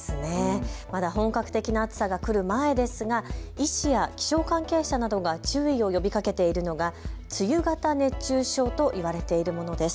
まだ本格的な暑さが来る前ですが、医師や気象関係者などが注意を呼びかけているのが梅雨型熱中症といわれているものです。